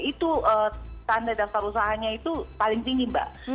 itu tanda daftar usahanya itu paling tinggi mbak